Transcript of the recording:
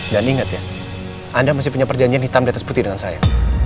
dan ingat ya anda masih punya perjanjian hitam dan putih dengan saya